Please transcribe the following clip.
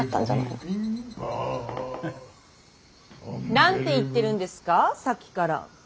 何て言ってるんですかさっきから。